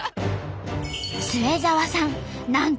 末澤さん